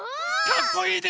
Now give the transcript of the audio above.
かっこいい！